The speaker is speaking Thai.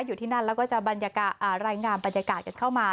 อยู่ที่นั่นแล้วก็จะรายงานบรรยากาศกันเข้ามา